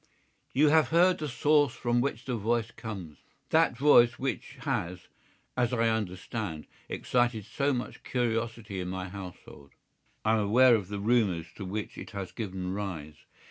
"You have heard the source from which the voice comes—that voice which has, as I understand, excited so much curiosity in my household. I am aware of the rumours to which it has given rise.